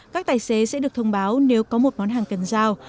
các tài xế sẽ được thông báo nếu có một món hàng cần giao